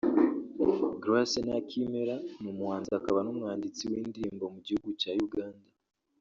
Grace Nakimera ni umuhanzi akaba n’umuwanditsi w’indirimbo mugihugu cya Uganda